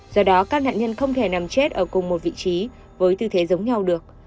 do đó các nạn nhân không thể nằm chết ở cùng một vị trí với tư thế giống nhau được